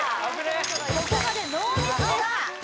ここまでノーミスです